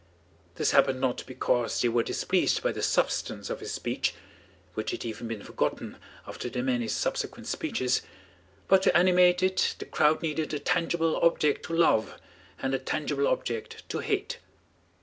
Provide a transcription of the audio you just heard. This happened not because they were displeased by the substance of his speech, which had even been forgotten after the many subsequent speeches, but to animate it the crowd needed a tangible object to love and a tangible object to hate.